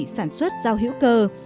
sản xuất rau hữu cơ